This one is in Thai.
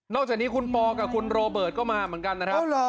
จากนี้คุณปอกับคุณโรเบิร์ตก็มาเหมือนกันนะครับ